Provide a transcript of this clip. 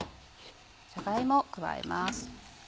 じゃが芋を加えます。